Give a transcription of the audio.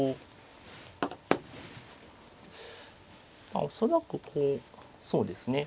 まあ恐らくこうそうですね